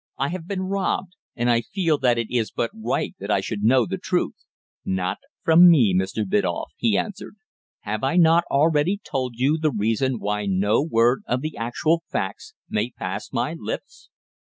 I have been robbed, and I feel that it is but right that I should now know the truth." "Not from me, Mr. Biddulph," he answered. "Have I not already told you the reason why no word of the actual facts may pass my lips?"